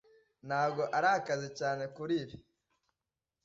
Ntabwo arakaze cyane kuri ibi.